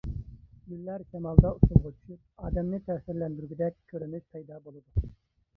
گۈللەر شامالدا ئۇسسۇلغا چۈشۈپ، ئادەمنى تەسىرلەندۈرگۈدەك كۆرۈنۈش پەيدا بولىدۇ.